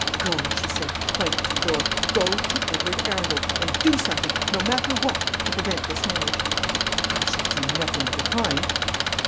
"Go," she said, pointing to the door; "go to Edward Arundel, and do something, no matter what, to prevent this marriage." "I shall do nothing of the kind."